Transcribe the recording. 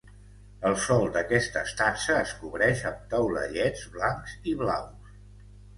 El sòl d'aquesta estança es cobreix amb taulellets blancs i blaus.